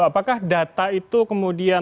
apakah data itu kemudian